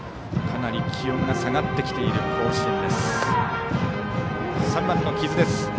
かなり気温が下がってきている甲子園です。